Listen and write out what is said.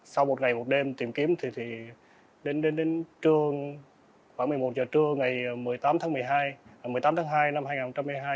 sau một ngày một đêm tìm kiếm thì đến trưa khoảng một mươi một h trưa ngày một mươi tám tháng hai năm hai nghìn một mươi hai